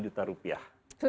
sembilan juta rupiah